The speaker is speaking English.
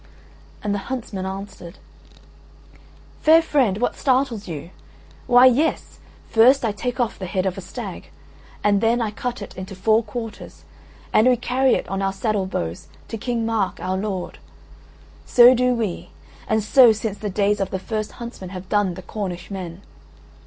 And the huntsman answered: "Fair friend, what startles you? Why yes, first I take off the head of a stag, and then I cut it into four quarters and we carry it on our saddle bows to King Mark, our lord: So do we, and so since the days of the first huntsmen have done the Cornish men.